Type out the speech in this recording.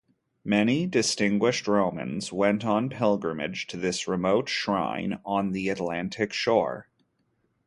Many distinguished Romans went on pilgrimage to this remote shrine on the Atlantic shore.